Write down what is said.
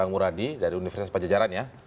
bang muradi dari universitas pajajaran